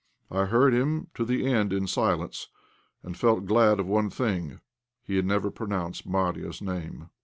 I heard him to the end in silence, and felt glad of one thing; he had never pronounced Marya's name.